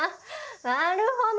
なるほど！